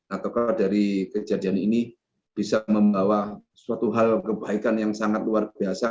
ataukah dari kejadian ini bisa membawa suatu hal kebaikan yang sangat luar biasa